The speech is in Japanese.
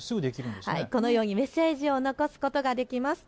このようにメッセージを残すことができます。